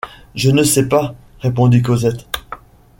Je ne sais pas, répondit Cosette.